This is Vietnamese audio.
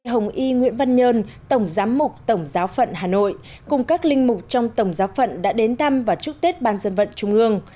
hồng y nguyễn văn nhơn tổng giám mục tổng giáo phận hà nội cùng các linh mục trong tổng giáo phận đã đến thăm và chúc tết ban dân vận trung ương